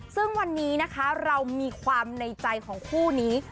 ซึ่งวันนี้นะคะเรามีความในใจของคู่นี้